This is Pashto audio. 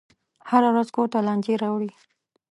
هره ورځ کور ته لانجې راوړي.